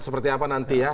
seperti apa nanti ya